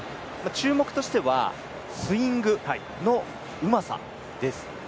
注目としてはスイングのうまさです。